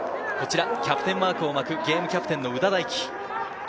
キャプテンマークを巻くゲームキャプテンの夘田大揮。